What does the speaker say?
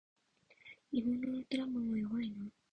日本のウルトラマンは弱いな